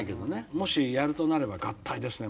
もしやるとなれば合体ですね。